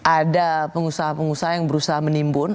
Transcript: ada pengusaha pengusaha yang berusaha menimbun